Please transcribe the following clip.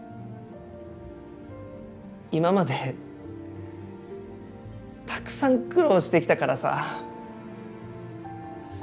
今までたくさん苦労してきたからさ。